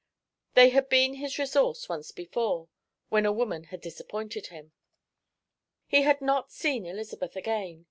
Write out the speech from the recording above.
They had been his resource once before, when a woman had disappointed him. He had not seen Elizabeth again.